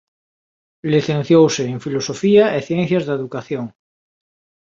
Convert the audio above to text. Licenciouse en Filosofía e Ciencias da Educación.